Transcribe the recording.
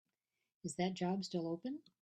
Is that job still open?